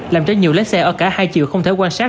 làm cho nhiều lái xe ở cả hai chiều không thể quan sát